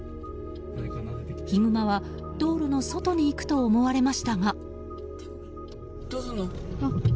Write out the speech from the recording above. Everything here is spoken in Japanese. ヒグマは道路の外に行くと思われましたが。